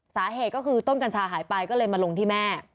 สาเหตุก็คือต้นกัญชาหายไปก็เลยมาลงที่แม่